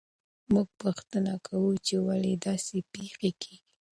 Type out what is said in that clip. موږ پوښتنه کوو چې ولې داسې پېښې کیږي.